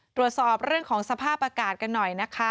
ตรวจสอบเรื่องของสภาพอากาศกันหน่อยนะคะ